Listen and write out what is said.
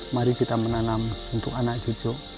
mari kita menanam untuk anak cucu